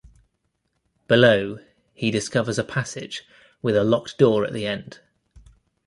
Below, he discovers a passage with a locked door at the end.